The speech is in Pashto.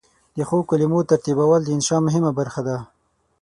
د ښو کلمو ترتیبول د انشأ مهمه برخه ده.